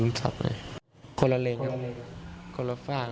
นะก็ก็เลิงลับเลย